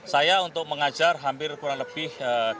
saya untuk mengajar hampir kurang lebih